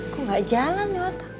kok gak jalan ya